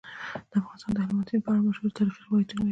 افغانستان د هلمند سیند په اړه مشهور تاریخی روایتونه لري.